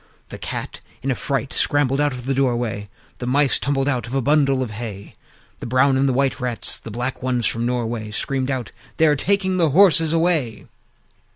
The Cat in a fright scrambled out of the doorway; The Mice tumbled out of a bundle of hay; The brown and white Rats, and the black ones from Norway, Screamed out, "They are taking the horses away!"